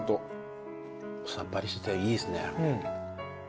さっぱりしてていいですね。